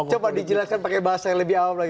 coba dijelaskan pakai bahasa yang lebih awam lagi